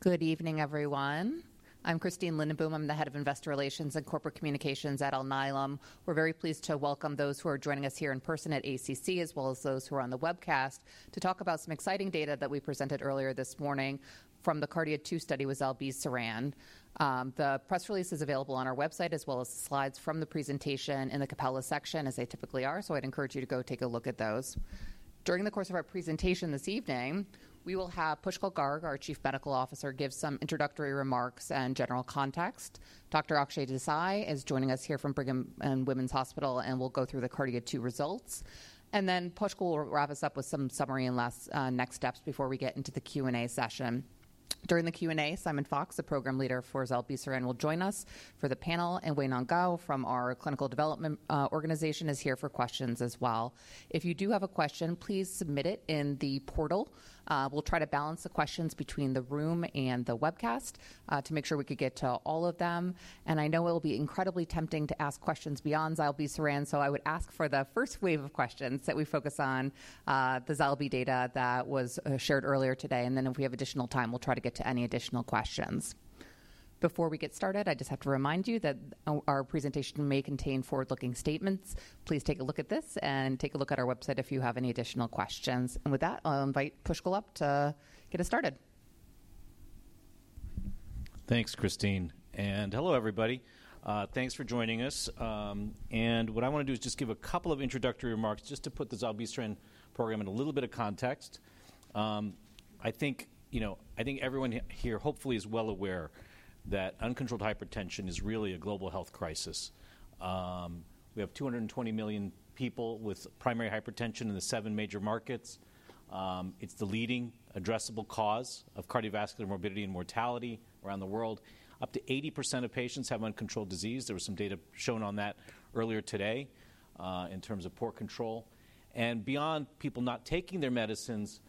Good evening, everyone. I'm Christine Lindenboom. I'm the head of Investor Relations and Corporate Communications at Alnylam. We're very pleased to welcome those who are joining us here in person at ACC, as well as those who are on the webcast, to talk about some exciting data that we presented earlier this morning from the KARDIA-2 study with zilebesiran. The press release is available on our website, as well as slides from the presentation in the Events section, as they typically are, so I'd encourage you to go take a look at those. During the course of our presentation this evening, we will have Pushkal Garg, our chief medical officer, give some introductory remarks and general context. Dr. Akshay Desai is joining us here from Brigham and Women's Hospital, and we'll go through the KARDIA-2 results. Then Pushkal will wrap us up with some summary and last, next steps before we get into the Q&A session. During the Q&A, Simon Fox, the program leader for zilebesiran, will join us for the panel, and Weinong Guo from our clinical development organization is here for questions as well. If you do have a question, please submit it in the portal. We'll try to balance the questions between the room and the webcast, to make sure we could get to all of them. And I know it'll be incredibly tempting to ask questions beyond zilebesiran, so I would ask for the first wave of questions that we focus on, the zilebesiran data that was shared earlier today. And then if we have additional time, we'll try to get to any additional questions. Before we get started, I just have to remind you that our presentation may contain forward-looking statements. Please take a look at this and take a look at our website if you have any additional questions. With that, I'll invite Pushkal up to get us started. Thanks, Christine. Hello, everybody. Thanks for joining us. And what I want to do is just give a couple of introductory remarks just to put the zilebesiran program in a little bit of context. I think, you know, I think everyone here hopefully is well aware that uncontrolled hypertension is really a global health crisis. We have 220 million people with primary hypertension in the seven major markets. It's the leading addressable cause of cardiovascular morbidity and mortality around the world. Up to 80% of patients have uncontrolled disease. There was some data shown on that earlier today, in terms of poor control. And beyond people not taking their medicines,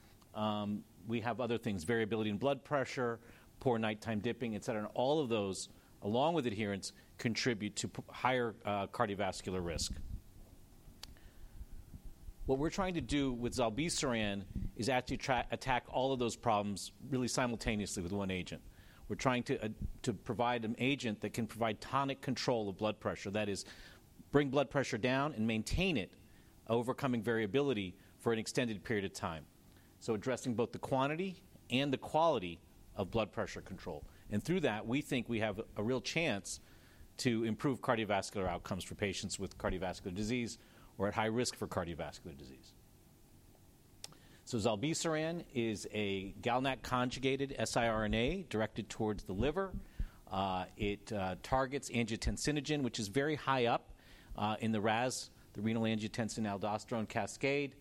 we have other things: variability in blood pressure, poor nighttime dipping, etc. And all of those, along with adherence, contribute to higher cardiovascular risk. What we're trying to do with zilebesiran is actually tackle all of those problems really simultaneously with one agent. We're trying to provide an agent that can provide tonic control of blood pressure. That is, bring blood pressure down and maintain it, overcoming variability for an extended period of time. So addressing both the quantity and the quality of blood pressure control. And through that, we think we have a real chance to improve cardiovascular outcomes for patients with cardiovascular disease or at high risk for cardiovascular disease. So zilebesiran is a GalNAc-conjugated siRNA directed towards the liver. It targets angiotensinogen, which is very high up in the RAAS, the renin-angiotensin-aldosterone cascade.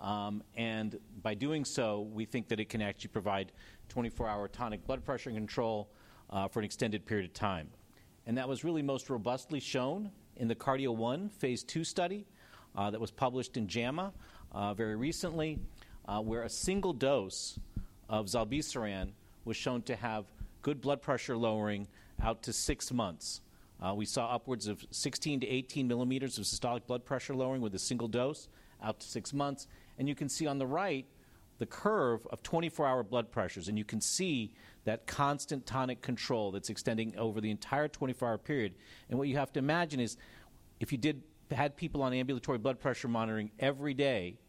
And by doing so, we think that it can actually provide 24-hour tonic blood pressure control for an extended period of time. And that was really most robustly shown in the KARDIA-1 Phase 2 study, that was published in JAMA, very recently, where a single dose of zilebesiran was shown to have good blood pressure lowering out to 6 months. We saw upwards of 16-18 millimeters of systolic blood pressure lowering with a single dose out to 6 months. And you can see on the right the curve of 24-hour blood pressures, and you can see that constant tonic control that's extending over the entire 24-hour period. And what you have to imagine is if you did have people on ambulatory blood pressure monitoring every day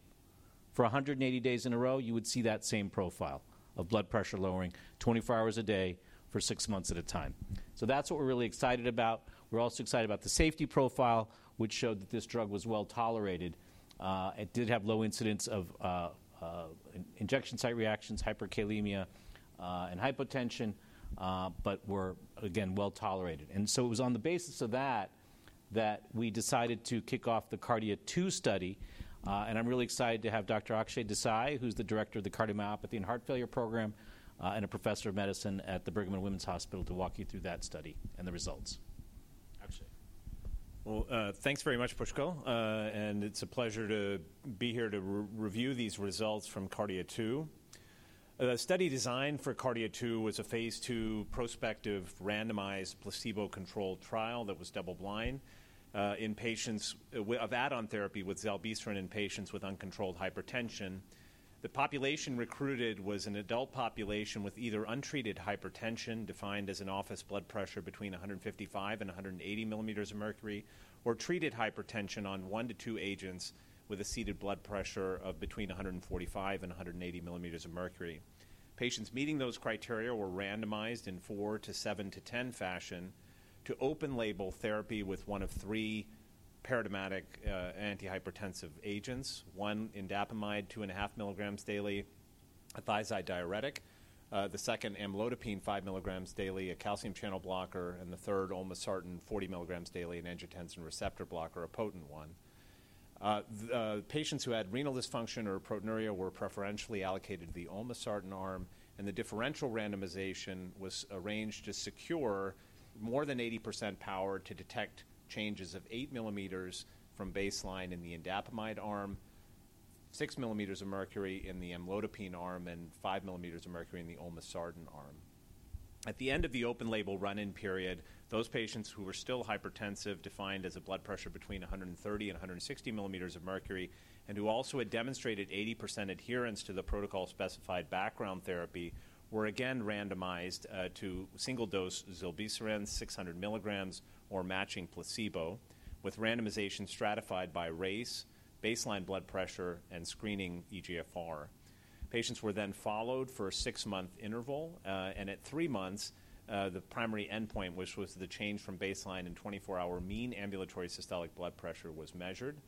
for 180 days in a row, you would see that same profile of blood pressure lowering 24 hours a day for 6 months at a time. So that's what we're really excited about. We're also excited about the safety profile, which showed that this drug was well tolerated. It did have low incidence of injection-site reactions, hyperkalemia, and hypotension, but were, again, well tolerated. And so it was on the basis of that that we decided to kick off the KARDIA-2 study. And I'm really excited to have Dr. Akshay Desai, who's the director of the Cardiomyopathy and Heart Failure Program, and a professor of medicine at the Brigham and Women's Hospital, to walk you through that study and the results. Well, thanks very much, Pushkal. It's a pleasure to be here to review these results from KARDIA-2. The study designed for KARDIA-2 was a Phase 2 prospective randomized placebo-controlled trial that was double-blind, in patients with add-on therapy with zilebesiran in patients with uncontrolled hypertension. The population recruited was an adult population with either untreated hypertension defined as an office blood pressure between 155-180 millimeters of mercury, or treated hypertension on 1-2 agents with a seated blood pressure of between 145-180 millimeters of mercury. Patients meeting those criteria were randomized in 4 to 7 to 10 fashion to open-label therapy with one of three paradigmatic antihypertensive agents: one indapamide 2.5 mg daily, a thiazide diuretic; the second amlodipine 5 mg daily, a calcium channel blocker; and the third olmesartan 40 mg daily, an angiotensin receptor blocker, a potent one. The patients who had renal dysfunction or proteinuria were preferentially allocated to the olmesartan arm, and the differential randomization was arranged to secure more than 80% power to detect changes of 8 mmHg from baseline in the indapamide arm, 6 mmHg in the amlodipine arm, and 5 mmHg in the olmesartan arm. At the end of the open-label run-in period, those patients who were still hypertensive, defined as a blood pressure between 130-160 mmHg, and who also had demonstrated 80% adherence to the protocol-specified background therapy, were again randomized to single-dose zilebesiran 600 mg or matching placebo, with randomization stratified by race, baseline blood pressure, and screening eGFR. Patients were then followed for a 6-month interval. At 3 months, the primary endpoint, which was the change from baseline in 24-hour mean ambulatory systolic blood pressure, was measured.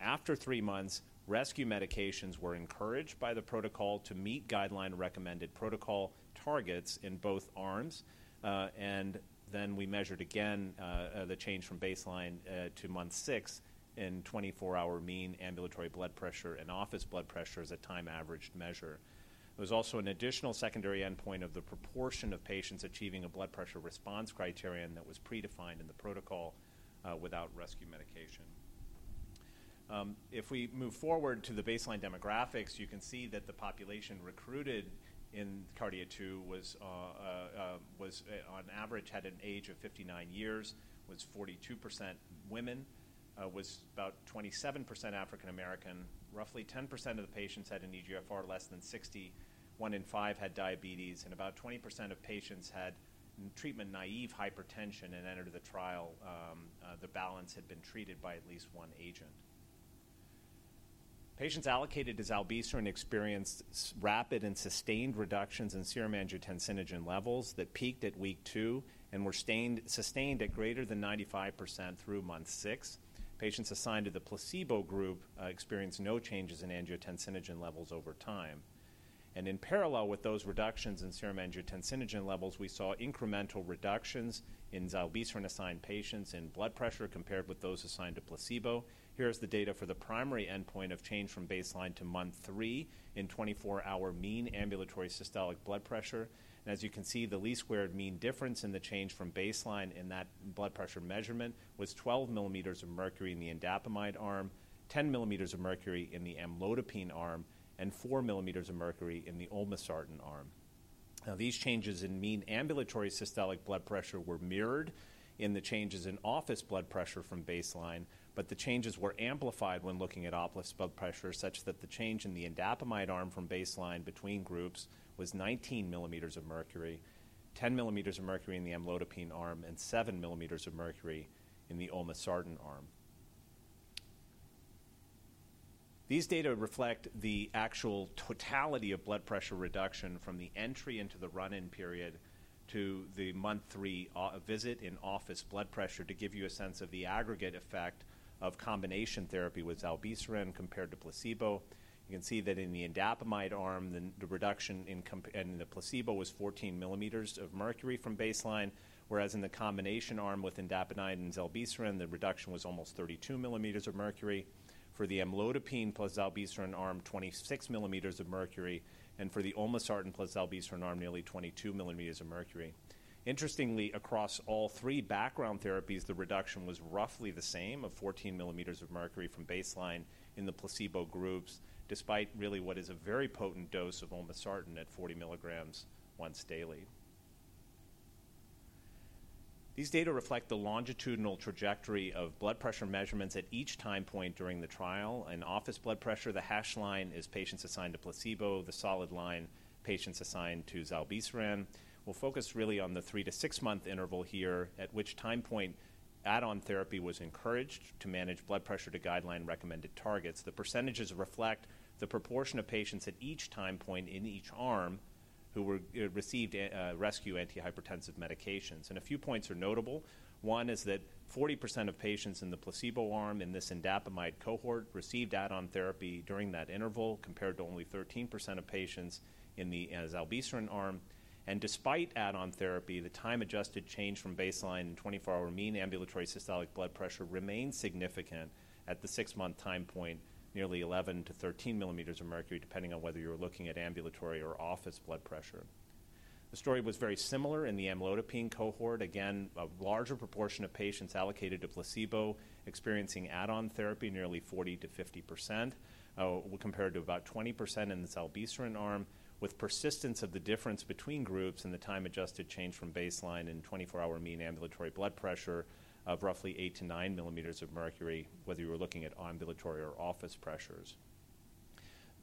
After 3 months, rescue medications were encouraged by the protocol to meet guideline-recommended protocol targets in both arms. And then we measured again, the change from baseline, to month 6 in 24-hour mean ambulatory blood pressure and office blood pressure as a time-averaged measure. There was also an additional secondary endpoint of the proportion of patients achieving a blood pressure response criterion that was predefined in the protocol, without rescue medication. If we move forward to the baseline demographics, you can see that the population recruited in KARDIA-2 was, on average, had an age of 59 years, was 42% women, was about 27% African American, roughly 10% of the patients had an eGFR less than 60, 1 in 5 had diabetes, and about 20% of patients had non-treatment-naive hypertension and entered the trial. The balance had been treated by at least one agent. Patients allocated to zilebesiran experienced a rapid and sustained reductions in serum angiotensinogen levels that peaked at week 2 and were sustained at greater than 95% through month 6. Patients assigned to the placebo group experienced no changes in angiotensinogen levels over time. In parallel with those reductions in serum angiotensinogen levels, we saw incremental reductions in zilebesiran-assigned patients in blood pressure compared with those assigned to placebo. Here is the data for the primary endpoint of change from baseline to month 3 in 24-hour mean ambulatory systolic blood pressure. As you can see, the least squares mean difference in the change from baseline in that blood pressure measurement was 12 millimeters of mercury in the indapamide arm, 10 millimeters of mercury in the amlodipine arm, and 4 millimeters of mercury in the olmesartan arm. Now, these changes in mean ambulatory systolic blood pressure were mirrored in the changes in office blood pressure from baseline, but the changes were amplified when looking at office blood pressure such that the change in the indapamide arm from baseline between groups was 19 millimeters of mercury, 10 millimeters of mercury in the amlodipine arm, and 7 millimeters of mercury in the olmesartan arm. These data reflect the actual totality of blood pressure reduction from the entry into the run-in period to the month 3 visit in office blood pressure to give you a sense of the aggregate effect of combination therapy with zilebesiran compared to placebo. You can see that in the indapamide arm, the reduction in the placebo was 14 millimeters of mercury from baseline, whereas in the combination arm with indapamide and zilebesiran, the reduction was almost 32 millimeters of mercury. For the amlodipine plus zilebesiran arm, 26 millimeters of mercury. And for the olmesartan plus zilebesiran arm, nearly 22 millimeters of mercury. Interestingly, across all three background therapies, the reduction was roughly the same of 14 millimeters of mercury from baseline in the placebo groups, despite really what is a very potent dose of olmesartan at 40 milligrams once daily. These data reflect the longitudinal trajectory of blood pressure measurements at each time point during the trial. In office blood pressure, the dashed line is patients assigned to placebo, the solid line, patients assigned to zilebesiran. We'll focus really on the 3- to 6-month interval here at which time point add-on therapy was encouraged to manage blood pressure to guideline-recommended targets. The percentages reflect the proportion of patients at each time point in each arm who received rescue antihypertensive medications. A few points are notable. One is that 40% of patients in the placebo arm in this indapamide cohort received add-on therapy during that interval compared to only 13% of patients in the zilebesiran arm. Despite add-on therapy, the time-adjusted change from baseline in 24-hour mean ambulatory systolic blood pressure remained significant at the 6-month time point, nearly 11-13 millimeters of mercury, depending on whether you were looking at ambulatory or office blood pressure. The story was very similar in the amlodipine cohort. Again, a larger proportion of patients allocated to placebo experiencing add-on therapy, nearly 40%-50%, compared to about 20% in the zilebesiran arm, with persistence of the difference between groups in the time-adjusted change from baseline in 24-hour mean ambulatory blood pressure of roughly 8-9 millimeters of mercury, whether you were looking at ambulatory or office pressures.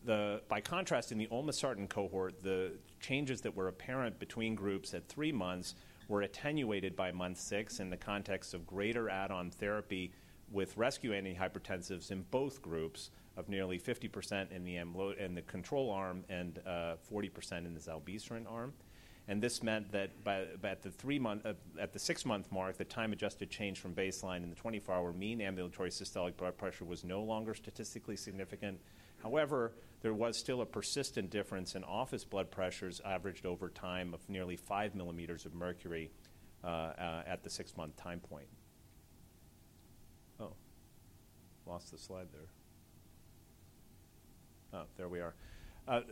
By contrast, in the olmesartan cohort, the changes that were apparent between groups at 3 months were attenuated by month 6 in the context of greater add-on therapy with rescue antihypertensives in both groups of nearly 50% in the amlodipine in the control arm and 40% in the zilebesiran arm. And this meant that by the 6-month mark, the time-adjusted change from baseline in the 24-hour mean ambulatory systolic blood pressure was no longer statistically significant. However, there was still a persistent difference in office blood pressures averaged over time of nearly 5 millimeters of mercury, at the 6-month time point. Oh. Lost the slide there. Oh, there we are.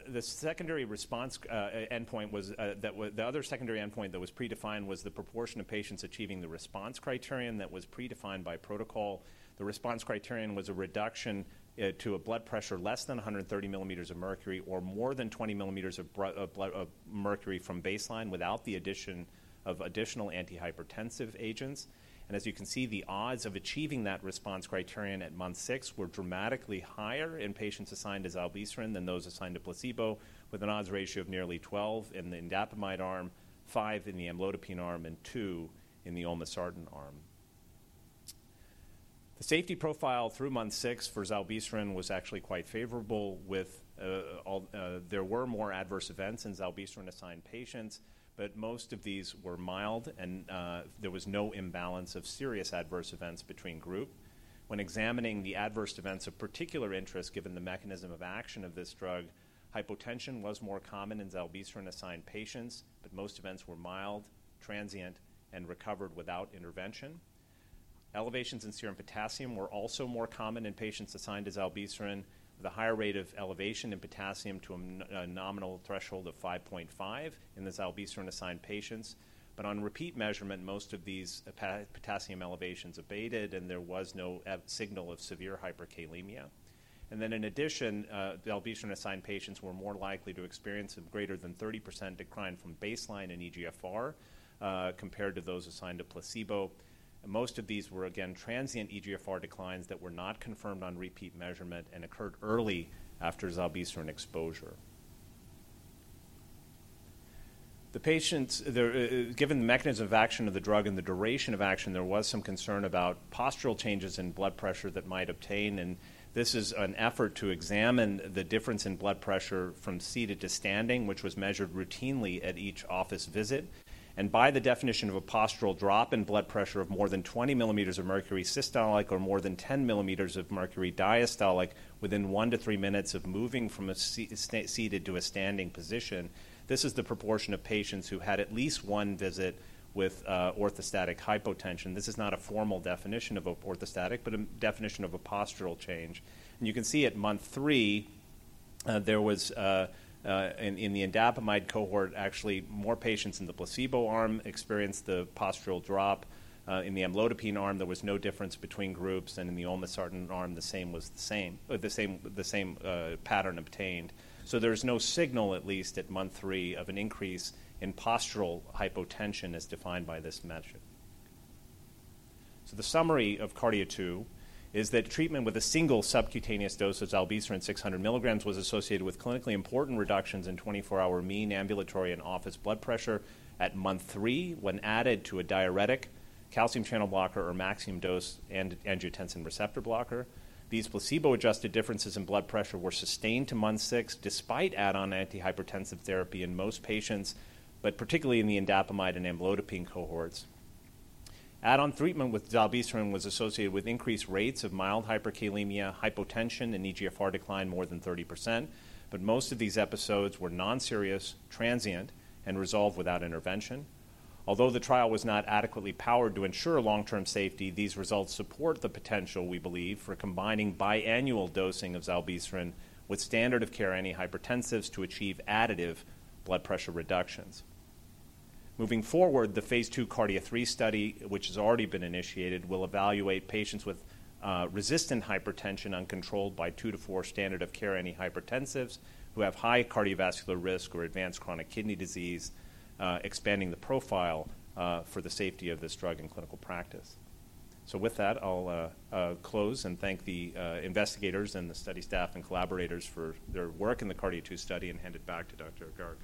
The secondary response endpoint was, that was the other secondary endpoint that was predefined was the proportion of patients achieving the response criterion that was predefined by protocol. The response criterion was a reduction, to a blood pressure less than 130 millimeters of mercury or more than 20 millimeters of mercury from baseline without the addition of additional antihypertensive agents. And as you can see, the odds of achieving that response criterion at month 6 were dramatically higher in patients assigned to zilebesiran than those assigned to placebo, with an odds ratio of nearly 12 in the indapamide arm, 5 in the amlodipine arm, and 2 in the olmesartan arm. The safety profile through month 6 for zilebesiran was actually quite favorable, with all there were more adverse events in zilebesiran-assigned patients, but most of these were mild and, there was no imbalance of serious adverse events between group. When examining the adverse events of particular interest given the mechanism of action of this drug, hypotension was more common in zilebesiran-assigned patients, but most events were mild, transient, and recovered without intervention. Elevations in serum potassium were also more common in patients assigned to zilebesiran, with a higher rate of elevation in potassium to a nominal threshold of 5.5 in the zilebesiran-assigned patients. But on repeat measurement, most of these potassium elevations abated, and there was no signal of severe hyperkalemia. And then in addition, zilebesiran-assigned patients were more likely to experience a greater than 30% decline from baseline in eGFR, compared to those assigned to placebo. And most of these were, again, transient eGFR declines that were not confirmed on repeat measurement and occurred early after zilebesiran exposure. The patients there given the mechanism of action of the drug and the duration of action, there was some concern about postural changes in blood pressure that might obtain. And this is an effort to examine the difference in blood pressure from seated to standing, which was measured routinely at each office visit. By the definition of a postural drop in blood pressure of more than 20 millimeters of mercury systolic or more than 10 millimeters of mercury diastolic within 1 to 3 minutes of moving from a seated to a standing position, this is the proportion of patients who had at least one visit with orthostatic hypotension. This is not a formal definition of orthostatic, but a definition of a postural change. And you can see at month 3, there was in the indapamide cohort, actually, more patients in the placebo arm experienced the postural drop. In the amlodipine arm, there was no difference between groups. And in the olmesartan arm, the same pattern obtained. So there's no signal, at least at month 3, of an increase in postural hypotension as defined by this measure. So the summary of KARDIA-2 is that treatment with a single subcutaneous dose of zilebesiran 600 mg was associated with clinically important reductions in 24-hour mean ambulatory and office blood pressure at month three when added to a diuretic, calcium channel blocker, or maximum-dose angiotensin receptor blocker. These placebo-adjusted differences in blood pressure were sustained to month six despite add-on antihypertensive therapy in most patients, but particularly in the indapamide and amlodipine cohorts. Add-on treatment with zilebesiran was associated with increased rates of mild hyperkalemia, hypotension, and eGFR decline more than 30%, but most of these episodes were non-serious, transient, and resolved without intervention. Although the trial was not adequately powered to ensure long-term safety, these results support the potential, we believe, for combining biannual dosing of zilebesiran with standard-of-care antihypertensives to achieve additive blood pressure reductions. Moving forward, the Phase 2 KARDIA-3 study, which has already been initiated, will evaluate patients with resistant hypertension uncontrolled by 2-4 standard-of-care antihypertensives who have high cardiovascular risk or advanced chronic kidney disease, expanding the profile for the safety of this drug in clinical practice. So with that, I'll close and thank the investigators and the study staff and collaborators for their work in the KARDIA-2 study and hand it back to Dr. Garg.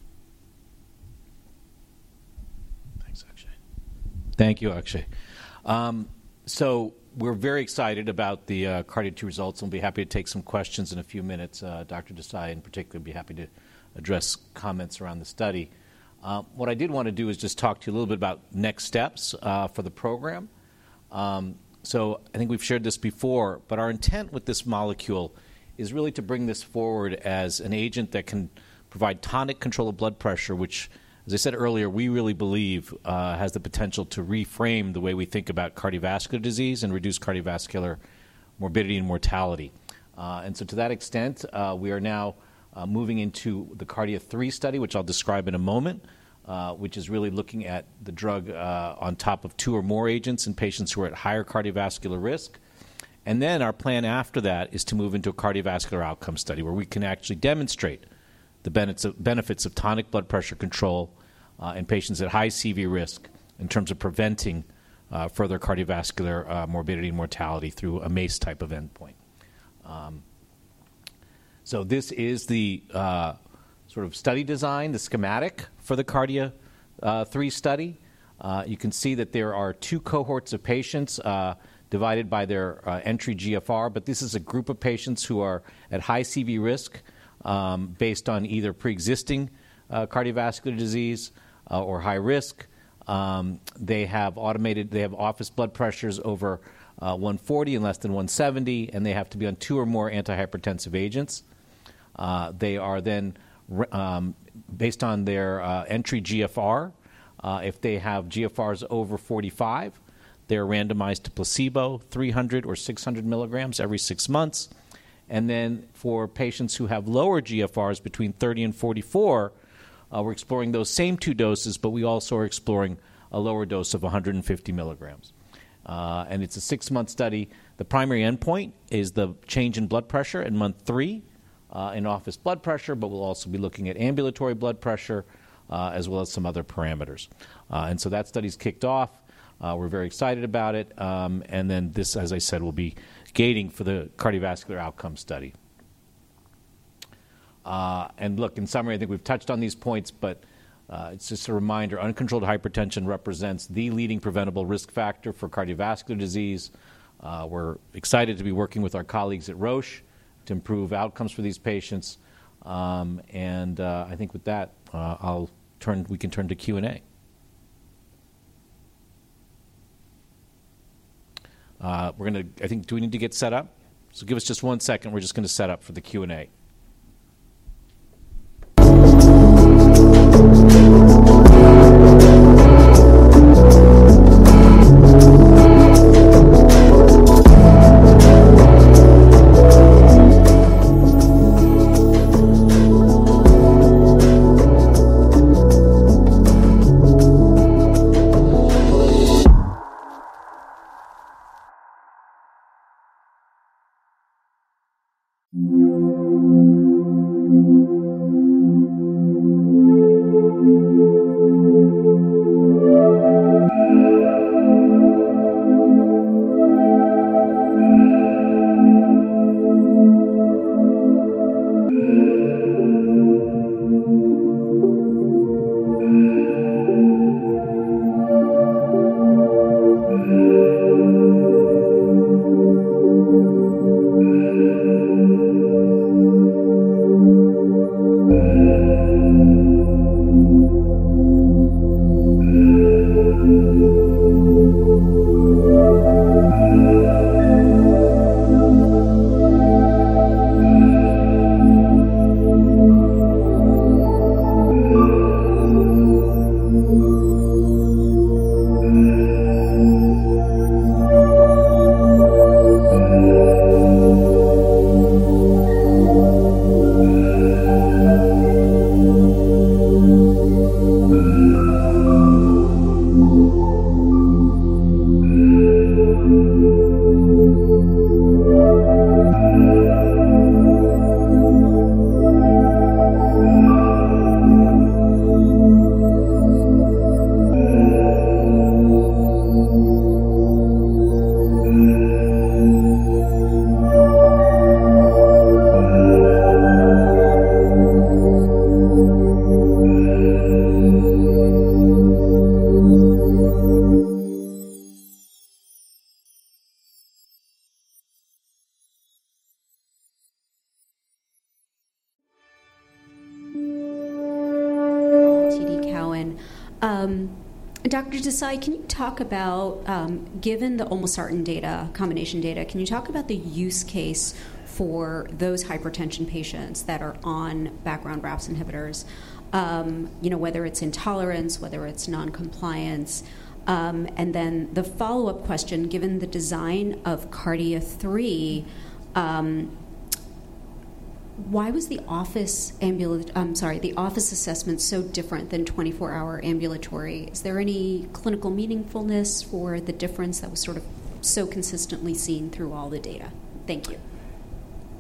Thanks, Akshay. Thank you, Akshay. We're very excited about the KARDIA-2 results. We'll be happy to take some questions in a few minutes. Dr. Desai, in particular, would be happy to address comments around the study. What I did want to do is just talk to you a little bit about next steps for the program. So I think we've shared this before, but our intent with this molecule is really to bring this forward as an agent that can provide tonic blood pressure control, which, as I said earlier, we really believe, has the potential to reframe the way we think about cardiovascular disease and reduce cardiovascular morbidity and mortality. And so to that extent, we are now moving into the KARDIA-3 study, which I'll describe in a moment, which is really looking at the drug on top of two or more agents in patients who are at higher cardiovascular risk. And then our plan after that is to move into a cardiovascular outcome study where we can actually demonstrate the benefits of tonic blood pressure control in patients at high CV risk in terms of preventing further cardiovascular morbidity and mortality through a MACE type of endpoint. So this is the, sort of study design, the schematic for the KARDIA-3 study. You can see that there are two cohorts of patients, divided by their entry GFR. But this is a group of patients who are at high CV risk, based on either preexisting cardiovascular disease or high risk. They have office blood pressures over 140 and less than 170, and they have to be on two or more antihypertensive agents. They are then randomized based on their entry GFR; if they have GFRs over 45, they're randomized to placebo, 300 mg or 600 mg every 6 months. And then for patients who have lower GFRs between 30-44, we're exploring those same two doses, but we also are exploring a lower dose of 150 mg. And it's a 6-month study. The primary endpoint is the change in blood pressure in month three, in office blood pressure, but we'll also be looking at ambulatory blood pressure, as well as some other parameters. That study's kicked off. We're very excited about it. This, as I said, will be gating for the cardiovascular outcome study. In summary, I think we've touched on these points, but it's just a reminder, uncontrolled hypertension represents the leading preventable risk factor for cardiovascular disease. We're excited to be working with our colleagues at Roche to improve outcomes for these patients. I think with that, I'll turn. We can turn to Q&A. We're gonna. I think do we need to get set up? So give us just one second. We're just gonna set up for the Q&A. TD Cowen. Dr. Desai, can you talk about, given the olmesartan data combination data, can you talk about the use case for those hypertension patients that are on background RAAS inhibitors, you know, whether it's intolerance, whether it's noncompliance? And then the follow-up question, given the design of KARDIA-3, why was the office assessment so different than 24-hour ambulatory? Is there any clinical meaningfulness for the difference that was sort of so consistently seen through all the data? Thank you.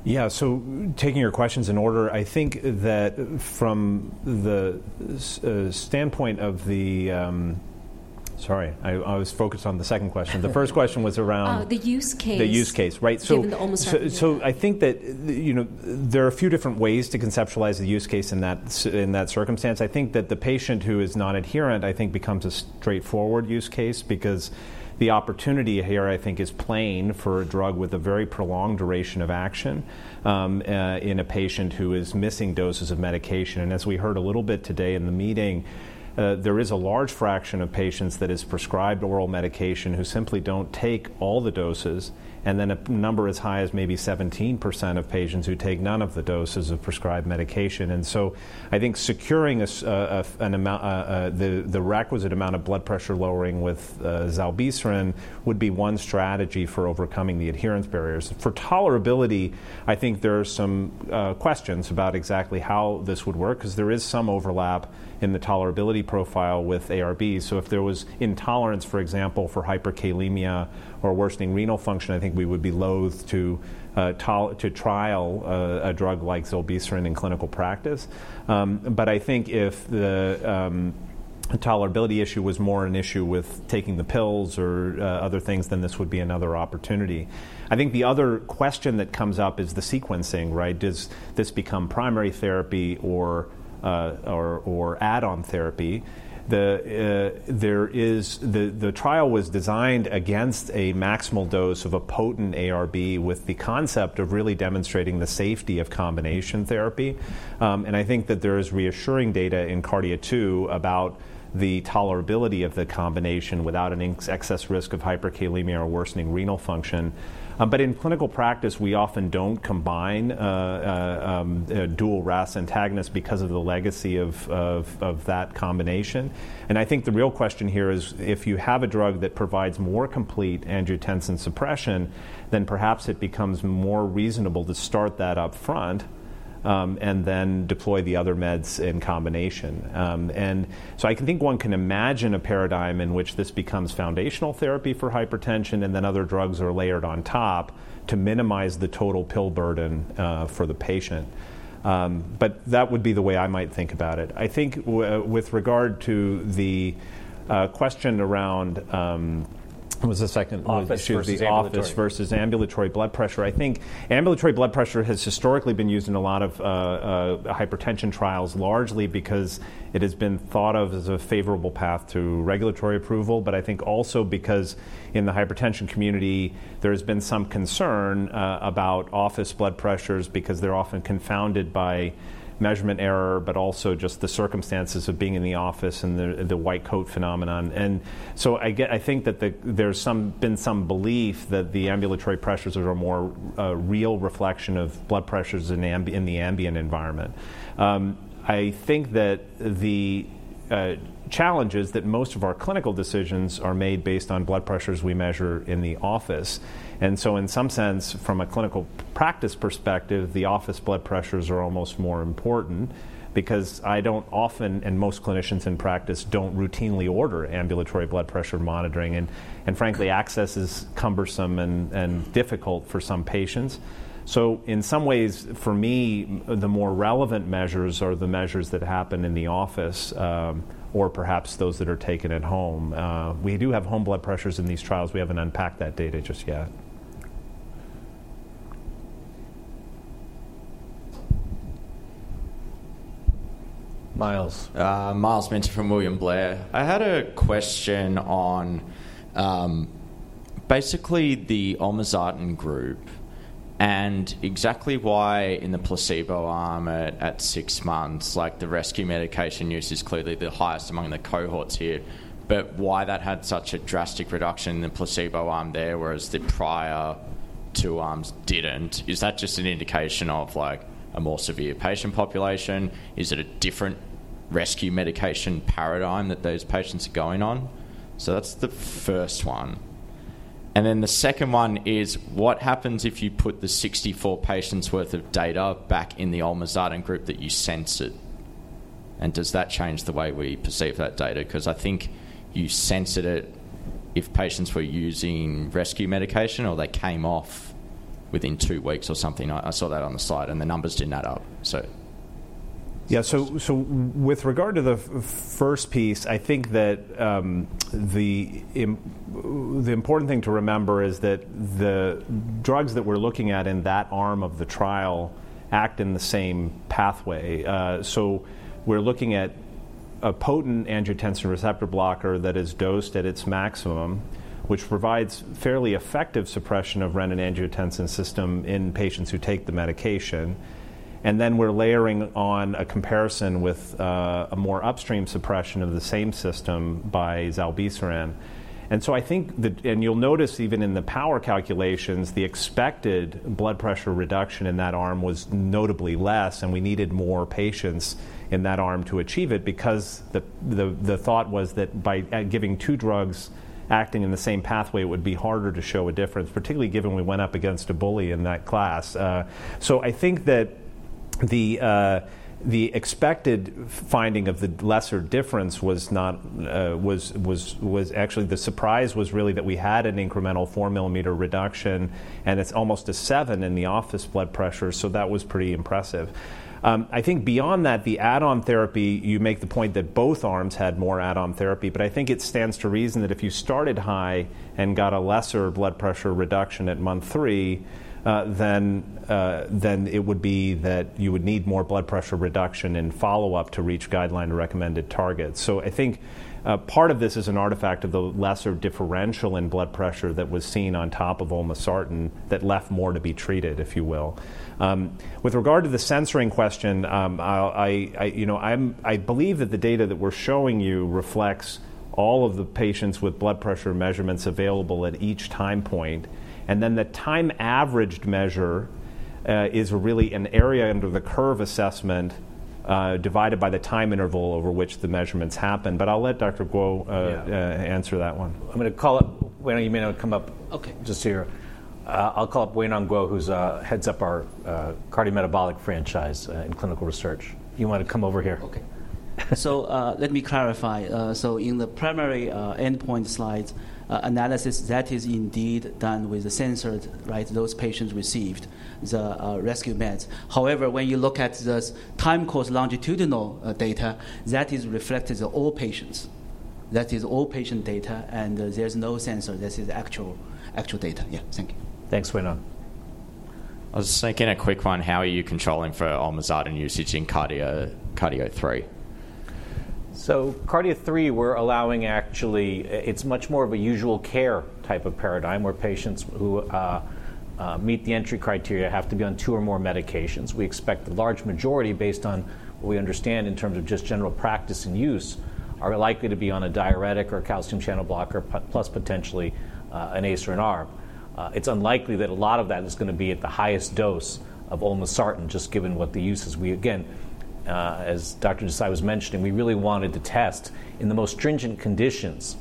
Yeah. So taking your questions in order, I think that from the standpoint of the, I was focused on the second question. The first question was around. Oh, the use case. The use case, right? So. Given the olmesartan. So, so I think that, you know, there are a few different ways to conceptualize the use case in that circumstance. I think that the patient who is nonadherent, I think, becomes a straightforward use case because the opportunity here, I think, is plain for a drug with a very prolonged duration of action, in a patient who is missing doses of medication. And as we heard a little bit today in the meeting, there is a large fraction of patients that is prescribed oral medication who simply don't take all the doses. And then a number as high as maybe 17% of patients who take none of the doses of prescribed medication. And so I think securing a safe amount, the requisite amount of blood pressure lowering with zilebesiran would be one strategy for overcoming the adherence barriers. For tolerability, I think there are some questions about exactly how this would work 'cause there is some overlap in the tolerability profile with ARB. So if there was intolerance, for example, for hyperkalemia or worsening renal function, I think we would be loath to trial a drug like zilebesiran in clinical practice. But I think if the tolerability issue was more an issue with taking the pills or other things, then this would be another opportunity. I think the other question that comes up is the sequencing, right? Does this become primary therapy or add-on therapy? The trial was designed against a maximal dose of a potent ARB with the concept of really demonstrating the safety of combination therapy. And I think that there is reassuring data in KARDIA-2 about the tolerability of the combination without an excess risk of hyperkalemia or worsening renal function. But in clinical practice, we often don't combine a dual RAAS antagonist because of the legacy of that combination. And I think the real question here is if you have a drug that provides more complete angiotensin suppression, then perhaps it becomes more reasonable to start that up front, and then deploy the other meds in combination. And so I can think one can imagine a paradigm in which this becomes foundational therapy for hypertension and then other drugs are layered on top to minimize the total pill burden for the patient. But that would be the way I might think about it. I think with regard to the question around, what was the second? Was it the office versus ambulatory blood pressure? I think ambulatory blood pressure has historically been used in a lot of hypertension trials largely because it has been thought of as a favorable path through regulatory approval, but I think also because in the hypertension community, there has been some concern about office blood pressures because they're often confounded by measurement error but also just the circumstances of being in the office and the white coat phenomenon. And so I think that there's been some belief that the ambulatory pressures are more real reflection of blood pressures in the ambient environment. I think that the challenge is that most of our clinical decisions are made based on blood pressures we measure in the office. So in some sense, from a clinical practice perspective, the office blood pressures are almost more important because I don't often and most clinicians in practice don't routinely order ambulatory blood pressure monitoring. And frankly, access is cumbersome and difficult for some patients. So in some ways, for me, the more relevant measures are the measures that happen in the office, or perhaps those that are taken at home. We do have home blood pressures in these trials. We haven't unpacked that data just yet. Myles Minter from William Blair. I had a question on, basically the olmesartan group and exactly why in the placebo arm at 6 months, like, the rescue medication use is clearly the highest among the cohorts here, but why that had such a drastic reduction in the placebo arm there whereas the prior two arms didn't. Is that just an indication of, like, a more severe patient population? Is it a different rescue medication paradigm that those patients are going on? So that's the first one. And then the second one is what happens if you put the 64 patients' worth of data back in the olmesartan group that you censored? And does that change the way we perceive that data? 'Cause I think you censored it if patients were using rescue medication or they came off within two weeks or something. I saw that on the site, and the numbers did not up, so. So, with regard to the first piece, I think that the important thing to remember is that the drugs that we're looking at in that arm of the trial act in the same pathway. So we're looking at a potent angiotensin receptor blocker that is dosed at its maximum, which provides fairly effective suppression of renin-angiotensin system in patients who take the medication. And then we're layering on a comparison with a more upstream suppression of the same system by zilebesiran. And so I think you'll notice even in the power calculations, the expected blood pressure reduction in that arm was notably less, and we needed more patients in that arm to achieve it because the thought was that by giving two drugs acting in the same pathway, it would be harder to show a difference, particularly given we went up against a bully in that class. I think that the expected finding of the lesser difference was not actually the surprise. The surprise was really that we had an incremental 4-mm reduction, and it's almost a 7 in the office blood pressure. So that was pretty impressive. I think beyond that, the add-on therapy you make the point that both arms had more add-on therapy, but I think it stands to reason that if you started high and got a lesser blood pressure reduction at month 3, then it would be that you would need more blood pressure reduction in follow-up to reach guideline-recommended targets. So I think part of this is an artifact of the lesser differential in blood pressure that was seen on top of olmesartan that left more to be treated, if you will. With regard to the censoring question, I'll, you know, I believe that the data that we're showing you reflects all of the patients with blood pressure measurements available at each time point. And then the time-averaged measure is really an area under the curve assessment, divided by the time interval over which the measurements happen. But I'll let Dr. Guo answer that one. Yeah. I'm gonna call up Weinong. You may not come up. Okay. Just here. I'll call up Weinong Guo, who heads up our cardiometabolic franchise in clinical research. You wanna come over here. Okay. So, let me clarify. So in the primary endpoint slides analysis, that is indeed done with the censored, right? Those patients received the rescue meds. However, when you look at the time-course longitudinal data, that is reflected to all patients. That is all patient data, and there's no censor. That is actual, actual data. Yeah. Thank you. Thanks, Weinong. I was just thinking a quick one: how are you controlling for olmesartan usage in KARDIA-3? So KARDIA-3, we're allowing actually it's much more of a usual care type of paradigm where patients who meet the entry criteria have to be on two or more medications. We expect the large majority, based on what we understand in terms of just general practice and use, are likely to be on a diuretic or calcium channel blocker plus potentially, an ACE or an ARB. It's unlikely that a lot of that is gonna be at the highest dose of olmesartan just given what the use is. We, again, as Dr. Desai was mentioning, we really wanted to test in the most stringent conditions,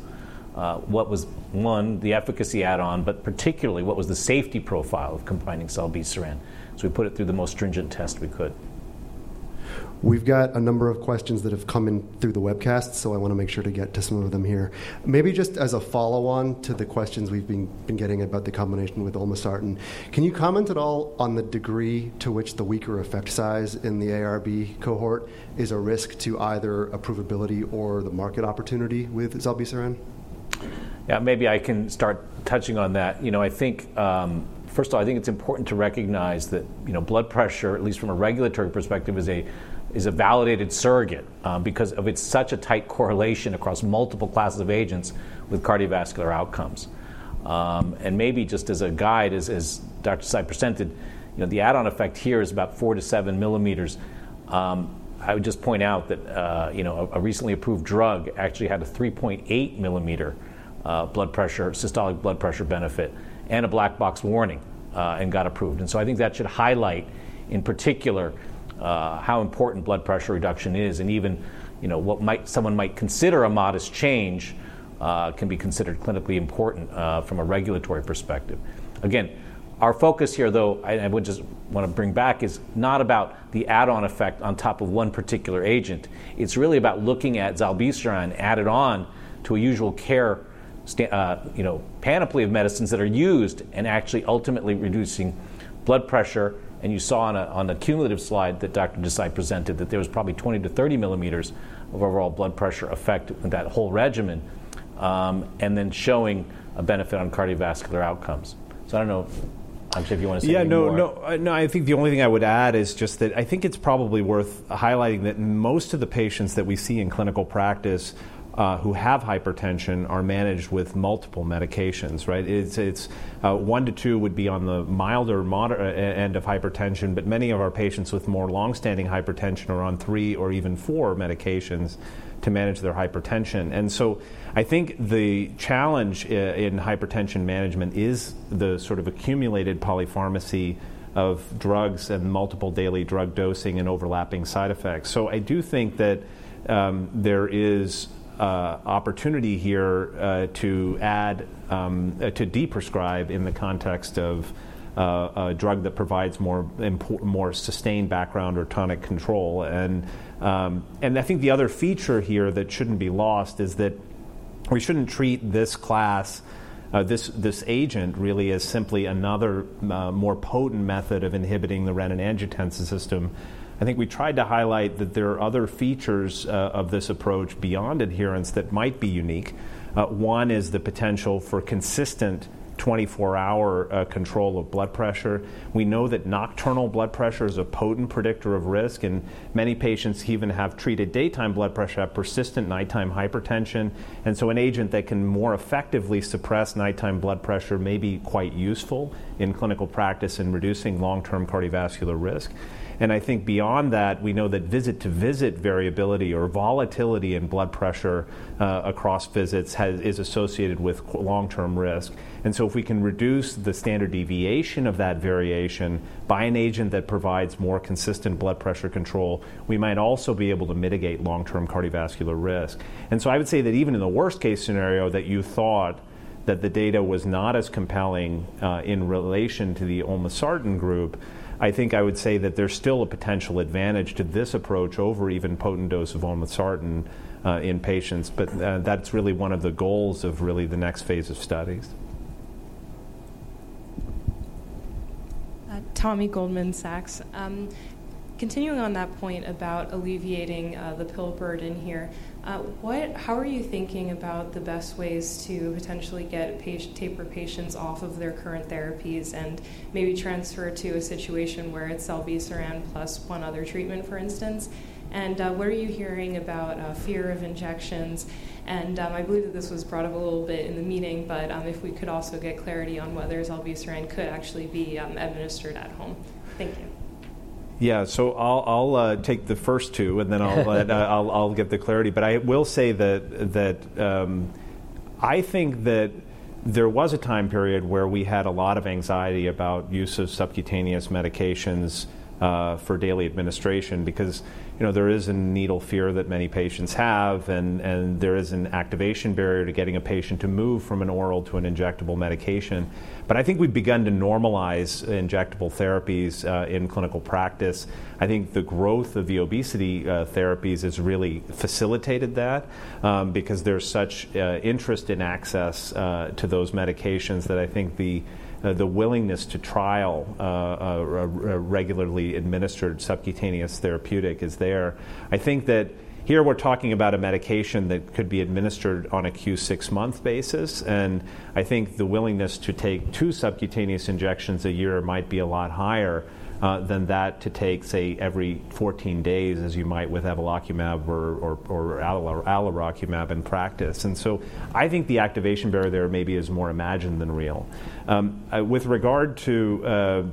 what was, one, the efficacy add-on, but particularly what was the safety profile of combining zilebesiran. So we put it through the most stringent test we could. We've got a number of questions that have come in through the webcast, so I wanna make sure to get to some of them here. Maybe just as a follow-on to the questions we've been getting about the combination with olmesartan, can you comment at all on the degree to which the weaker effect size in the ARB cohort is a risk to either approvability or the market opportunity with zilebesiran? Yeah. Maybe I can start touching on that. You know, I think, first of all, I think it's important to recognize that, you know, blood pressure, at least from a regulatory perspective, is a validated surrogate, because of its such a tight correlation across multiple classes of agents with cardiovascular outcomes. And maybe just as a guide, as Dr. Desai presented, you know, the add-on effect here is about 4-7 millimeters. I would just point out that, you know, a recently approved drug actually had a 3.8-millimeter blood pressure systolic blood pressure benefit and a black box warning, and got approved. And so I think that should highlight in particular, how important blood pressure reduction is and even, you know, what someone might consider a modest change, can be considered clinically important, from a regulatory perspective. Again, our focus here, though, I, I would just wanna bring back, is not about the add-on effect on top of one particular agent. It's really about looking at zilebesiran added on to a usual care sta, you know, panoply of medicines that are used and actually ultimately reducing blood pressure. And you saw on a on the cumulative slide that Dr. Desai presented that there was probably 20-30 mm Hg of overall blood pressure effect in that whole regimen, and then showing a benefit on cardiovascular outcomes. So I don't know, Akshay, if you wanna say anything more. Yeah. No, no, no. I think the only thing I would add is just that I think it's probably worth highlighting that most of the patients that we see in clinical practice, who have hypertension are managed with multiple medications, right? It's 1-2 would be on the milder moderate end of hypertension, but many of our patients with more longstanding hypertension are on 3 or even 4 medications to manage their hypertension. And so I think the challenge, in hypertension management is the sort of accumulated polypharmacy of drugs and multiple daily drug dosing and overlapping side effects. So I do think that there is opportunity here to add to deprescribe in the context of a drug that provides more important, more sustained background or tonic control. And I think the other feature here that shouldn't be lost is that we shouldn't treat this class, this agent really as simply another more potent method of inhibiting the renin-angiotensin system. I think we tried to highlight that there are other features of this approach beyond adherence that might be unique. One is the potential for consistent 24-hour control of blood pressure. We know that nocturnal blood pressure is a potent predictor of risk, and many patients even have treated daytime blood pressure, have persistent nighttime hypertension. And so an agent that can more effectively suppress nighttime blood pressure may be quite useful in clinical practice in reducing long-term cardiovascular risk. And I think beyond that, we know that visit-to-visit variability or volatility in blood pressure, across visits has associated with quite long-term risk. And so if we can reduce the standard deviation of that variation by an agent that provides more consistent blood pressure control, we might also be able to mitigate long-term cardiovascular risk. And so I would say that even in the worst-case scenario that you thought that the data was not as compelling, in relation to the olmesartan group, I think I would say that there's still a potential advantage to this approach over even potent dose of olmesartan, in patients. But, that's really one of the goals of really the next phase of studies. Tommy Goldman Sachs. Continuing on that point about alleviating the pill burden here, what, how are you thinking about the best ways to potentially get patients to taper off their current therapies and maybe transfer to a situation where it's zilebesiran plus one other treatment, for instance? And what are you hearing about fear of injections? And I believe that this was brought up a little bit in the meeting, but if we could also get clarity on whether zilebesiran could actually be administered at home. Thank you. Yeah. So I'll take the first two, and then I'll let I'll get the clarity. But I will say that I think that there was a time period where we had a lot of anxiety about use of subcutaneous medications for daily administration because, you know, there is a needle fear that many patients have, and there is an activation barrier to getting a patient to move from an oral to an injectable medication. But I think we've begun to normalize injectable therapies in clinical practice. I think the growth of the obesity therapies has really facilitated that, because there's such interest in access to those medications that I think the willingness to trial a regularly administered subcutaneous therapeutic is there. I think that here we're talking about a medication that could be administered on a q6-month basis, and I think the willingness to take two subcutaneous injections a year might be a lot higher than that to take, say, every 14 days, as you might with evolocumab or, or, or alirocumab in practice. And so I think the activation barrier there maybe is more imagined than real. With regard to,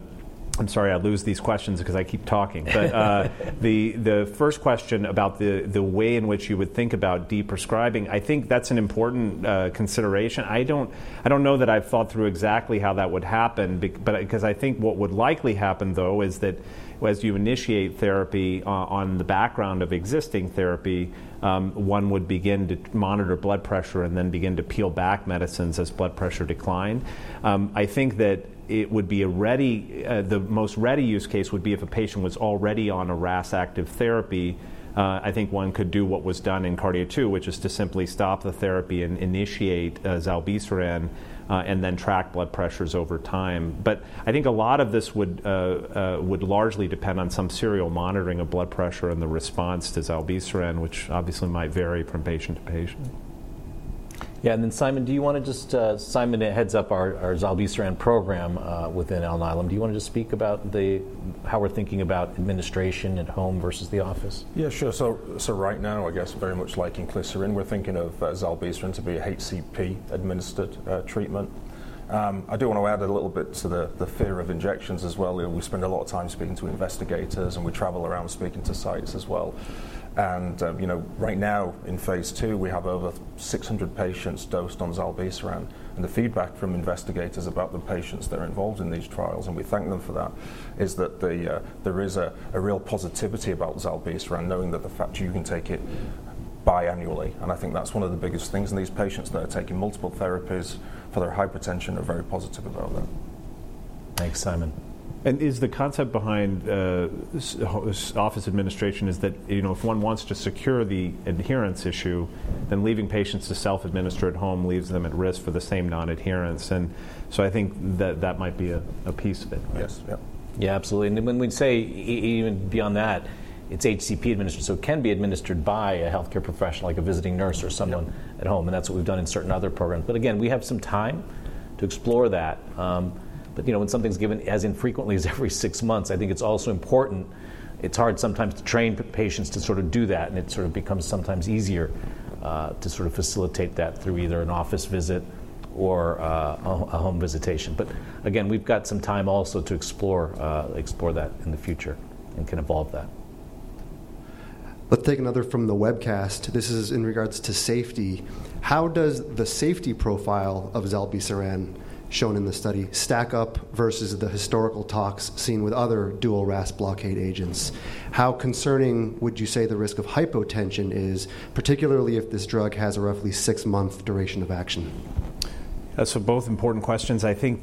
I'm sorry. I lose these questions 'cause I keep talking. But, the, the first question about the, the way in which you would think about deprescribing, I think that's an important consideration. I don't know that I've thought through exactly how that would happen because 'cause I think what would likely happen, though, is that as you initiate therapy, on the background of existing therapy, one would begin to monitor blood pressure and then begin to peel back medicines as blood pressure declined. I think that it would be the most ready use case would be if a patient was already on a RAAS-active therapy. I think one could do what was done in KARDIA-2, which is to simply stop the therapy and initiate zilebesiran, and then track blood pressures over time. But I think a lot of this would largely depend on some serial monitoring of blood pressure and the response to zilebesiran, which obviously might vary from patient to patient. Yeah. Then, Simon, do you wanna just, Simon, he heads up our zilebesiran program within Alnylam. Do you wanna just speak about how we're thinking about administration at home versus the office? Yeah. Sure. So, right now, I guess, very much like in inclisiran, we're thinking of zilebesiran to be a HCP-administered treatment. I do wanna add a little bit to the fear of injections as well. You know, we spend a lot of time speaking to investigators, and we travel around speaking to sites as well. And, you know, right now in Phase 2, we have over 600 patients dosed on zilebesiran. The feedback from investigators about the patients that are involved in these trials, and we thank them for that, is that there is a real positivity about zilebesiran knowing that the fact you can take it biannually. And I think that's one of the biggest things. These patients that are taking multiple therapies for their hypertension are very positive about that. Thanks, Simon. Is the concept behind HCP's office administration that, you know, if one wants to secure the adherence issue, then leaving patients to self-administer at home leaves them at risk for the same nonadherence? So I think that might be a piece of it, right? Yes. Yep. Yeah. Absolutely. And when, say, even beyond that, it's HCP administered. So it can be administered by a healthcare professional like a visiting nurse or someone at home. And that's what we've done in certain other programs. But again, we have some time to explore that. But, you know, when something's given as infrequently as every six months, I think it's also important it's hard sometimes to train patients to sort of do that, and it sort of becomes sometimes easier to sort of facilitate that through either an office visit or a home visitation. But again, we've got some time also to explore that in the future and can evolve that. Let's take another from the webcast. This is in regards to safety. How does the safety profile of zilebesiran shown in the study stack up versus the historical data seen with other dual RAAS blockade agents? How concerning would you say the risk of hypotension is, particularly if this drug has a roughly six-month duration of actio n? Yeah. So both important questions. I think,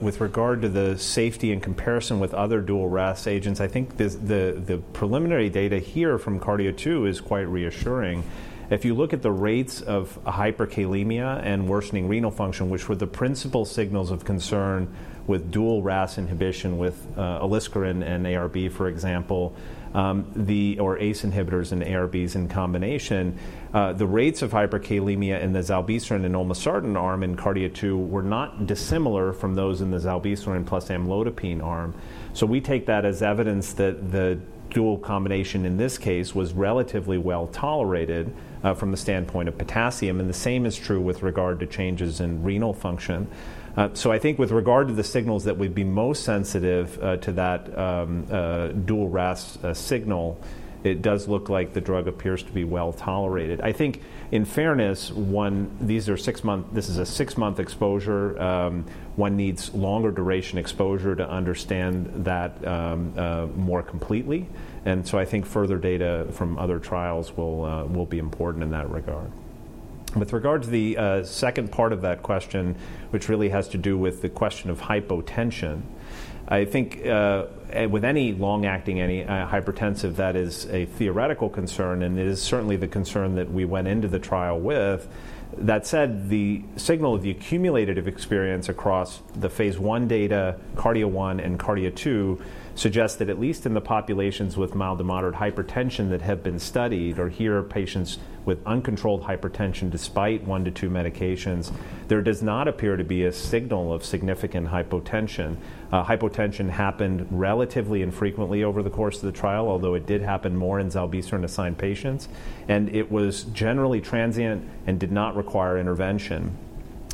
with regard to the safety in comparison with other dual RAAS agents, I think this, the preliminary data here from KARDIA-2 is quite reassuring. If you look at the rates of hyperkalemia and worsening renal function, which were the principal signals of concern with dual RAAS inhibition with aliskiren and ARB, for example, or ACE inhibitors and ARBs in combination, the rates of hyperkalemia in the zilebesiran and olmesartan arm in KARDIA-2 were not dissimilar from those in the zilebesiran plus amlodipine arm. So we take that as evidence that the dual combination in this case was relatively well tolerated, from the standpoint of potassium. And the same is true with regard to changes in renal function. So I think with regard to the signals that we'd be most sensitive to, that dual RAAS signal, it does look like the drug appears to be well tolerated. I think in fairness, one, these are 6-month, this is a 6-month exposure. One needs longer duration exposure to understand that more completely. And so I think further data from other trials will be important in that regard. With regard to the second part of that question, which really has to do with the question of hypotension, I think even with any long-acting antihypertensive, that is a theoretical concern, and it is certainly the concern that we went into the trial with. That said, the signal of the accumulative experience across the Phase 1 data, KARDIA-1 and KARDIA-2, suggests that at least in the populations with mild to moderate hypertension that have been studied, or here patients with uncontrolled hypertension despite 1-2 medications, there does not appear to be a signal of significant hypotension. Hypotension happened relatively infrequently over the course of the trial, although it did happen more in zilebesiran-assigned patients. And it was generally transient and did not require intervention.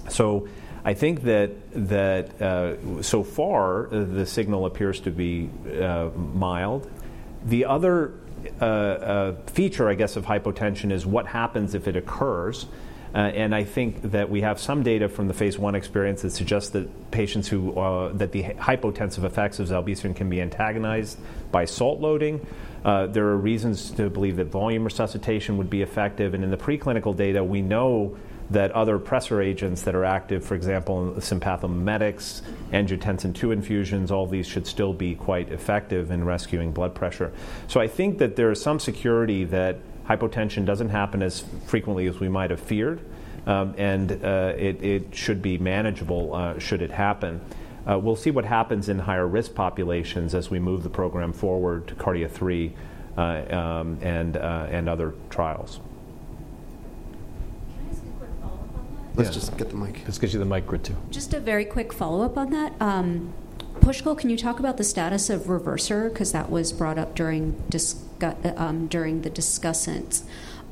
So I think that so far, the signal appears to be mild. The other feature, I guess, of hypotension is what happens if it occurs. I think that we have some data from the Phase 1 experience that suggests that patients who, that the hypotensive effects of zilebesiran can be antagonized by salt loading. There are reasons to believe that volume resuscitation would be effective. And in the preclinical data, we know that other pressor agents that are active, for example, sympathomimetics, angiotensin II infusions, all these should still be quite effective in rescuing blood pressure. So I think that there is some security that hypotension doesn't happen as frequently as we might have feared. And it should be manageable, should it happen. We'll see what happens in higher-risk populations as we move the program forward to KARDIA-3, and other trials. Can I ask a quick follow-up on that? Yeah. Let's just get the mic. Let's get you the mic grid too. Just a very quick follow-up on that. Pushkal, can you talk about the status of Reversir 'cause that was brought up during the discussion during the discussants.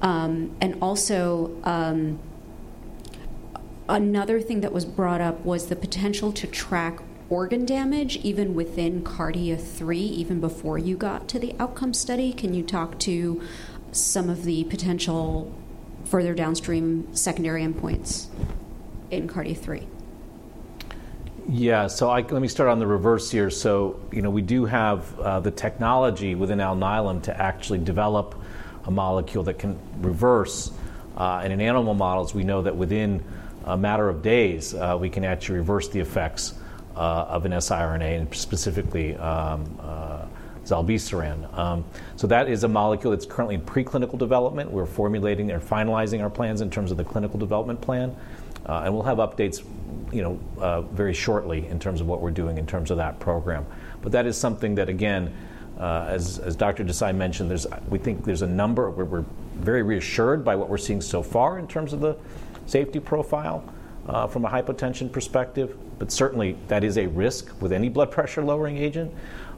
and also, another thing that was brought up was the potential to track organ damage even within KARDIA-3, even before you got to the outcome study. Can you talk to some of the potential further downstream secondary endpoints in KARDIA-3? Yeah. So let me start on the Reversir. So, you know, we do have the technology within Alnylam to actually develop a molecule that can reverse, and in animal models, we know that within a matter of days, we can actually reverse the effects of an siRNA and specifically, zilebesiran. So that is a molecule that's currently in preclinical development. We're formulating and finalizing our plans in terms of the clinical development plan. And we'll have updates, you know, very shortly in terms of what we're doing in terms of that program. But that is something that, again, as, as Dr. Desai mentioned, we think there's a number we're very reassured by what we're seeing so far in terms of the safety profile, from a hypotension perspective. But certainly, that is a risk with any blood pressure-lowering agent.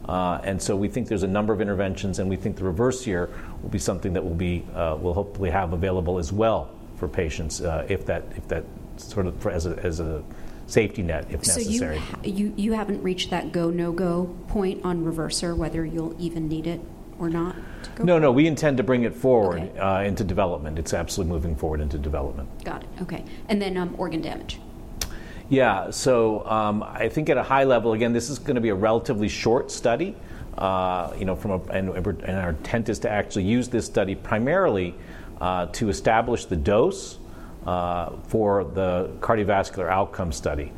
And so we think there's a number of interventions, and we think the Reversir here will be something that we'll hopefully have available as well for patients, if that sort of as a safety net, if necessary. So you haven't reached that go-no-go point on Reversir, whether you'll even need it or not to go? No, no. We intend to bring it forward into development. It's absolutely moving forward into development. Got it. Okay. And then, organ damage? Yeah.So, I think at a high level again, this is gonna be a relatively short study, you know, from a—and our intent is to actually use this study primarily to establish the dose for the cardiovascular outcome study,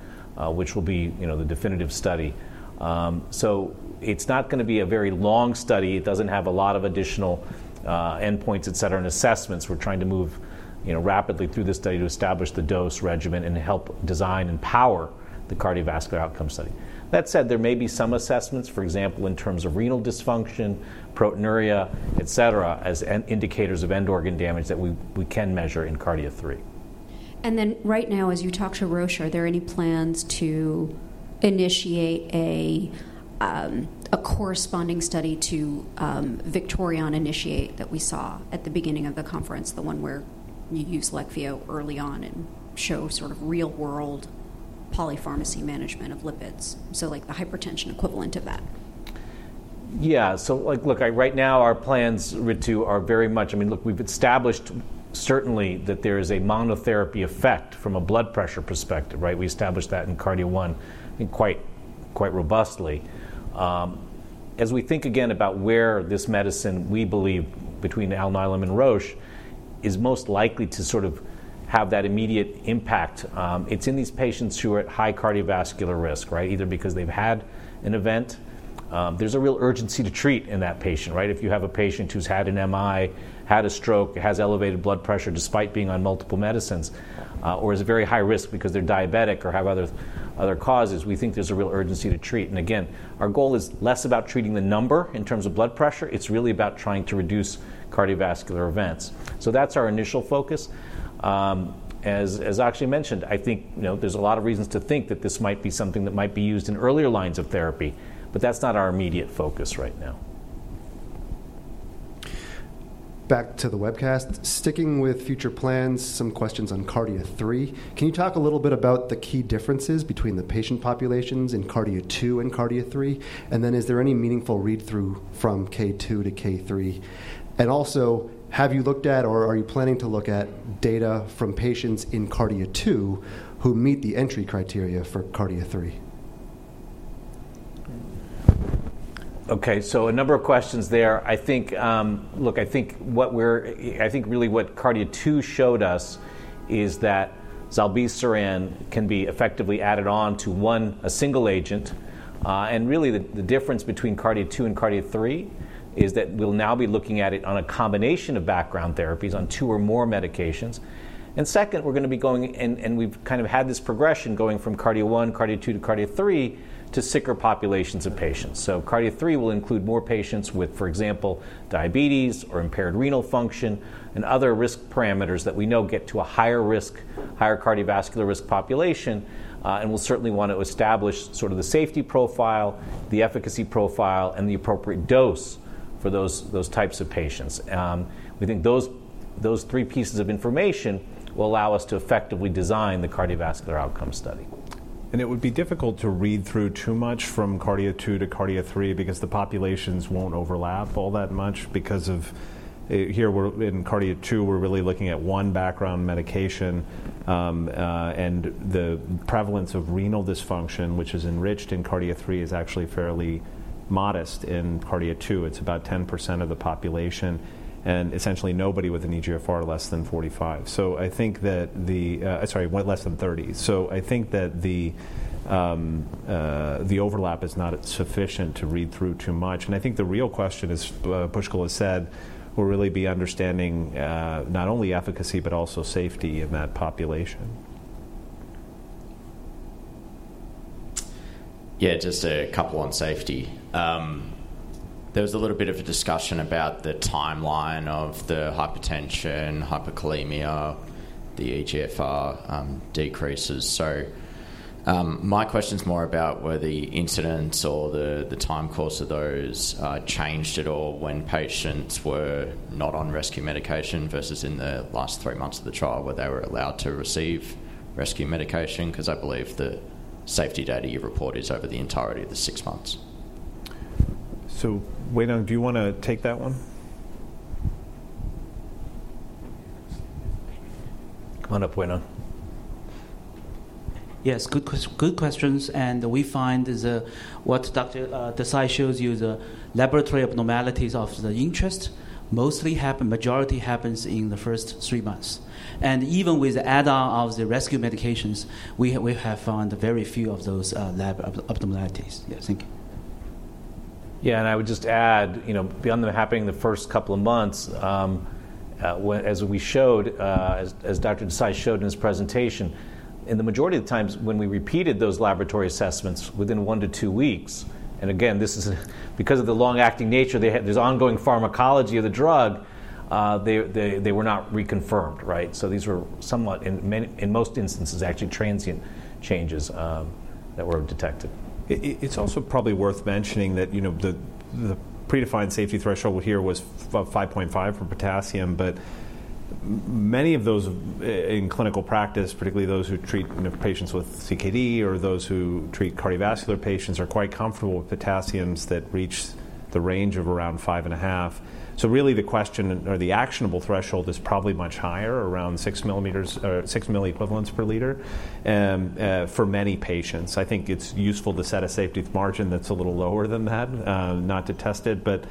which will be, you know, the definitive study. So it's not gonna be a very long study. It doesn't have a lot of additional endpoints, etc., and assessments. We're trying to move, you know, rapidly through this study to establish the dose regimen and help design and power the cardiovascular outcome study. That said, there may be some assessments, for example, in terms of renal dysfunction, proteinuria, etc., as an indicator of end-organ damage that we can measure in KARDIA-3. And then right now, as you talk to Roche, are there any plans to initiate a corresponding study to VICTORION-INITIATE that we saw at the beginning of the conference, the one where you use Leqvio early on and show sort of real-world polypharmacy management of lipids, so like the hypertension equivalent of that? Yeah. So like, look, right now, our plans right now are very much I mean, look, we've established certainly that there is a monotherapy effect from a blood pressure perspective, right? We established that in KARDIA-1 quite robustly. As we think, again, about where this medicine we believe between Alnylam and Roche is most likely to sort of have that immediate impact, it's in these patients who are at high cardiovascular risk, right, either because they've had an event. There's a real urgency to treat in that patient, right? If you have a patient who's had an MI, had a stroke, has elevated blood pressure despite being on multiple medicines, or is a very high risk because they're diabetic or have other, other causes, we think there's a real urgency to treat. And again, our goal is less about treating the number in terms of blood pressure. It's really about trying to reduce cardiovascular events. So that's our initial focus. As Akshay mentioned, I think, you know, there's a lot of reasons to think that this might be something that might be used in earlier lines of therapy. But that's not our immediate focus right now. Back to the webcast. Sticking with future plans, some questions on KARDIA-3. Can you talk a little bit about the key differences between the patient populations in KARDIA-2 and KARDIA-3? And then is there any meaningful read-through from K2 to K3? And also, have you looked at or are you planning to look at data from patients in KARDIA-2 who meet the entry criteria for KARDIA-3? Okay. So a number of questions there. I think what we're seeing, I think really what KARDIA-2 showed us is that zilebesiran can be effectively added on to one, a single agent. And really, the difference between KARDIA-2 and KARDIA-3 is that we'll now be looking at it on a combination of background therapies on two or more medications. And second, we're gonna be going, and we've kind of had this progression going from KARDIA-1, KARDIA-2 to KARDIA-3 to sicker populations of patients. So KARDIA-3 will include more patients with, for example, diabetes or impaired renal function and other risk parameters that we know get to a higher risk, higher cardiovascular risk population. We'll certainly want to establish sort of the safety profile, the efficacy profile, and the appropriate dose for those, those types of patients. We think those, those three pieces of information will allow us to effectively design the cardiovascular outcome study. It would be difficult to read through too much from KARDIA-2 to KARDIA-3 because the populations won't overlap all that much because, e.g., here, we're in KARDIA-2, we're really looking at one background medication. And the prevalence of renal dysfunction, which is enriched in KARDIA-3, is actually fairly modest in KARDIA-2. It's about 10% of the population and essentially nobody with an eGFR less than 45. So I think that the, I'm sorry, eGFR less than 30. So I think that the, the overlap is not sufficient to read through too much. And I think the real question is, Pushkal has said, will really be understanding, not only efficacy but also safety in that population. Yeah. Just a couple on safety. There was a little bit of a discussion about the timeline of the hypotension, hyperkalemia, the eGFR decreases. So, my question's more about whether the incidents or the, the time course of those, changed at all when patients were not on rescue medication versus in the last three months of the trial where they were allowed to receive rescue medication 'cause I believe the safety data you report is over the entirety of the six months. So Weinong, do you wanna take that one? Come on up, Weinong. Yes. Good question. Good questions. And we find is, what Dr. Desai shows you, the laboratory abnormalities of interest mostly happen majority happens in the first three months. And even with the add-on of the rescue medications, we have found very few of those lab abnormalities. Yeah. Thank you. Yeah. And I would just add, you know, beyond the happening in the first couple of months, as we showed, as Dr. Desai showed in his presentation, in the majority of the times when we repeated those laboratory assessments within 1 to 2 weeks and again, this is because of the long-acting nature, there's ongoing pharmacology of the drug, they were not reconfirmed, right? So these were somewhat in many in most instances, actually transient changes, that were detected. It's also probably worth mentioning that, you know, the predefined safety threshold here was of 5.5 for potassium. But many of those, even in clinical practice, particularly those who treat, you know, patients with CKD or those who treat cardiovascular patients are quite comfortable with potassiums that reach the range of around 5.5. So really, the question and or the actionable threshold is probably much higher, around 6 milliequivalents or 6 milliequivalents per liter, for many patients. I think it's useful to set a safety margin that's a little lower than that, not to test it. But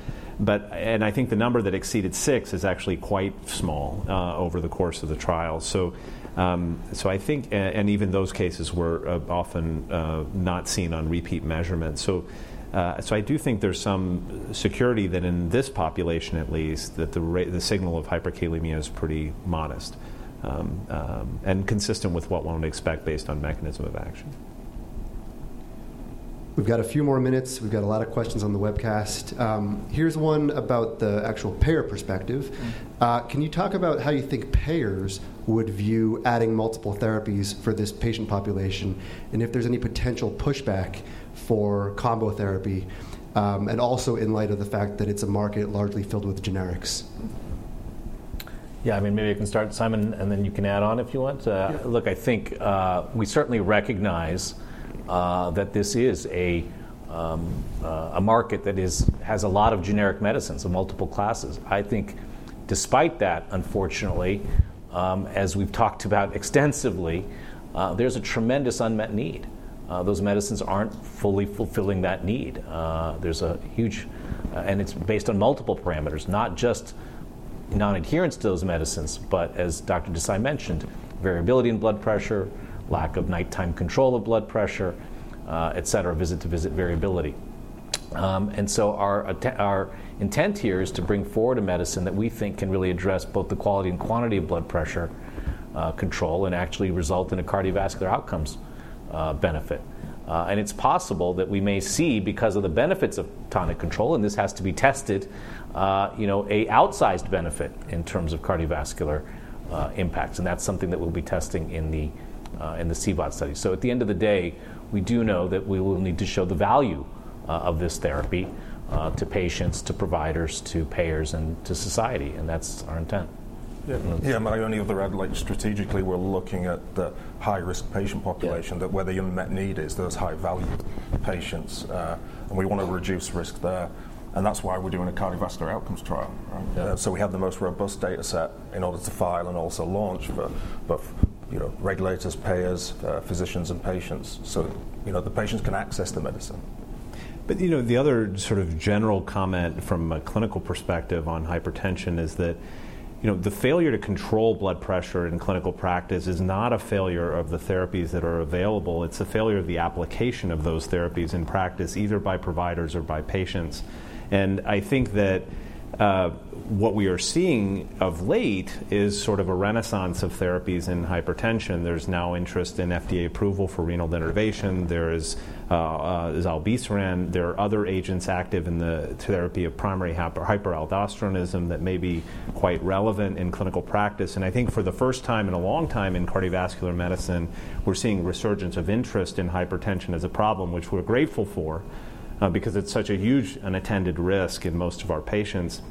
I think the number that exceeded six is actually quite small, over the course of the trial. So I think even those cases were often not seen on repeat measurements. So I do think there's some certainty that in this population at least, that the RAAS signal of hyperkalemia is pretty modest, and consistent with what one would expect based on mechanism of action. We've got a few more minutes. We've got a lot of questions on the webcast. Here's one about the actual payer perspective. Can you talk about how you think payers would view adding multiple therapies for this patient population and if there's any potential pushback for combo therapy, and also in light of the fact that it's a market largely filled with generics? Yeah. I mean, maybe I can start, Simon, and then you can add on if you want. Look, I think we certainly recognize that this is a market that has a lot of generic medicines of multiple classes. I think despite that, unfortunately, as we've talked about extensively, there's a tremendous unmet need. Those medicines aren't fully fulfilling that need. There's a huge and it's based on multiple parameters, not just nonadherence to those medicines but, as Dr. Desai mentioned, variability in blood pressure, lack of nighttime control of blood pressure, etc., visit-to-visit variability. And so our intent here is to bring forward a medicine that we think can really address both the quality and quantity of blood pressure control and actually result in a cardiovascular outcomes benefit. And it's possible that we may see because of the benefits of tonic control, and this has to be tested, you know, an outsized benefit in terms of cardiovascular impacts. And that's something that we'll be testing in the CVOT study. So at the end of the day, we do know that we will need to show the value of this therapy to patients, to providers, to payers, and to society. And that's our intent. Yeah. Yeah. And I only have the red light. Strategically, we're looking at the high-risk patient population, that where the unmet need is, those high-value patients. And we wanna reduce risk there. And that's why we're doing a cardiovascular outcomes trial, right? So we have the most robust data set in order to file and also launch for both, you know, regulators, payers, physicians, and patients so, you know, the patients can access the medicine. But, you know, the other sort of general comment from a clinical perspective on hypertension is that, you know, the failure to control blood pressure in clinical practice is not a failure of the therapies that are available. It's a failure of the application of those therapies in practice, either by providers or by patients. I think that what we are seeing of late is sort of a renaissance of therapies in hypertension. There's now interest in FDA approval for renal denervation. There is zilebesiran. There are other agents active in the therapy of primary hyperaldosteronism that may be quite relevant in clinical practice. I think for the first time in a long time in cardiovascular medicine, we're seeing resurgence of interest in hypertension as a problem, which we're grateful for, because it's such a huge unattended risk in most of our patients.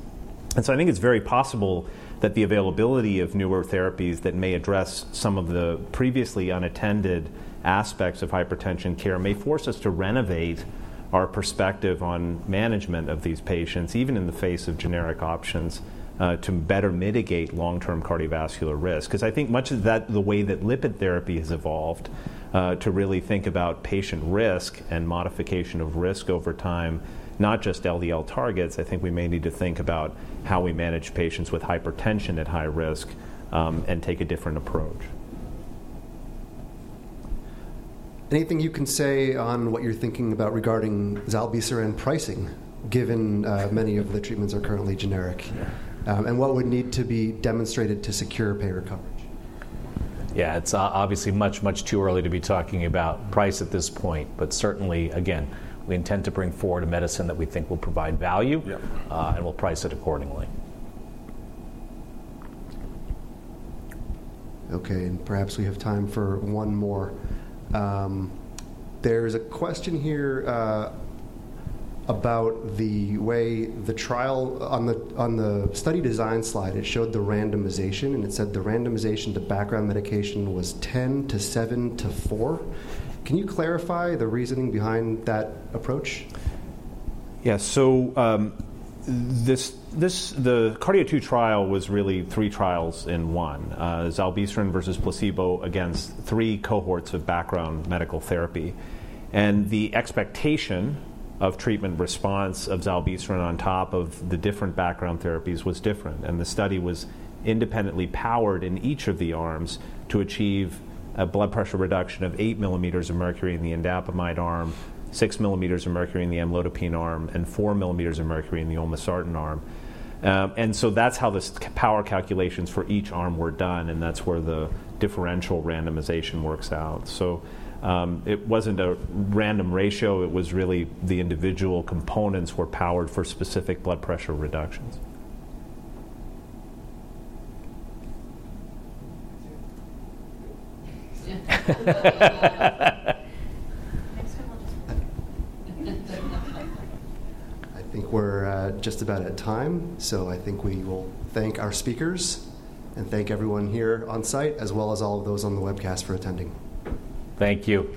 And so I think it's very possible that the availability of newer therapies that may address some of the previously unattended aspects of hypertension care may force us to renovate our perspective on management of these patients, even in the face of generic options, to better mitigate long-term cardiovascular risk. 'Cause I think much of that the way that lipid therapy has evolved, to really think about patient risk and modification of risk over time, not just LDL targets, I think we may need to think about how we manage patients with hypertension at high risk, and take a different approach. Anything you can say on what you're thinking about regarding zilebesiran pricing, given many of the treatments are currently generic? And what would need to be demonstrated to secure payer coverage? Yeah. It's obviously much, much too early to be talking about price at this point. But certainly, again, we intend to bring forward a medicine that we think will provide value, and we'll price it accordingly. Okay. And perhaps we have time for one more. There's a question here, about the way the trial on the study design slide, it showed the randomization, and it said the randomization to background medication was 10 to 7 to 4. Can you clarify the reasoning behind that approach? Yeah. So, this, the KARDIA-2 trial was really three trials in one, zilebesiran versus placebo against three cohorts of background medical therapy. And the expectation of treatment response of zilebesiran on top of the different background therapies was different. And the study was independently powered in each of the arms to achieve a blood pressure reduction of 8 millimeters of mercury in the indapamide arm, 6 millimeters of mercury in the amlodipine arm, and 4 millimeters of mercury in the olmesartan arm. And so that's how the sample size power calculations for each arm were done. And that's where the differential randomization works out. So, it wasn't a random ratio. It was really the individual components were powered for specific blood pressure reductions. Next one, we'll just I think we're just about at time. So I think we will thank our speakers and thank everyone here on site as well as all of those on the webcast for attending. Thank you.